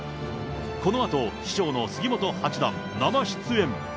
このあと師匠の杉本八段、生出演。